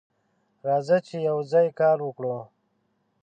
راځه چې یوځای کار وکړو.